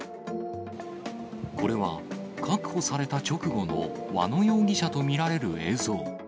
これは確保された直後の和野容疑者と見られる映像。